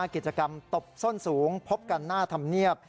กิจกรรมตบส้นสูงพบกันหน้าธรรมเนียบ